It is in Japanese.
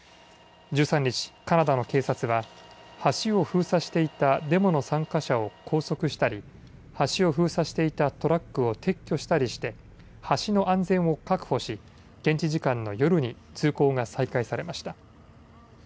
１３日、カナダの警察は、橋を封鎖していたデモの参加者を拘束したり、橋を封鎖していたトラックを撤去したりして、橋の安全を確保し、現地時間の夜に通行が再開されました。